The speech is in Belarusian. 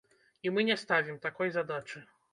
І мы не ставім такой задачы.